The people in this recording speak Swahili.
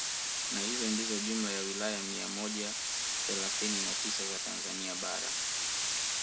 Na hizo ndizo jumla ya wilaya mia moja thelathini na tisa za Tanzania bara